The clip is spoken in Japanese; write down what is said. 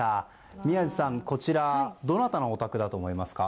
宮司さん、こちらどなたのお宅だと思いますか？